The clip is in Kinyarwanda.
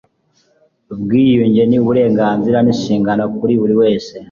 ubwiyunge ni uburenganzira n'inshingano kuri buri wese